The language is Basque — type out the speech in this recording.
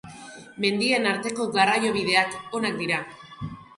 Mendien arteko garraiobideak onak dira.